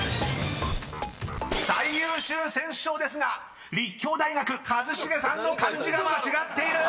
［「最優秀選手賞」ですが立教大学一茂さんの漢字が間違っている！